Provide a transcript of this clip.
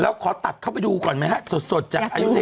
แล้วขอตัดเข้าไปดูก่อนไหมฮะสดจากอายุทธิศ